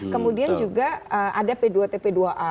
kemudian juga ada p dua t p dua a